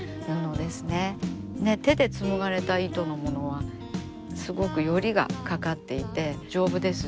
手で紡がれた糸のものはすごくよりがかかっていて丈夫ですし。